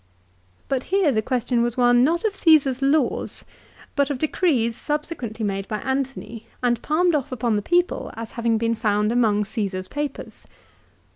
But here the question was one not of Csesar's laws, but of decrees subsequently made by Antony and palmed off upon the people as having been found among Cesar's papers.